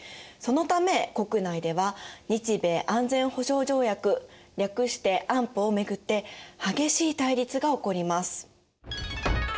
そのため国内では日米安全保障条約略して「安保」を巡って激しい対立が起こります。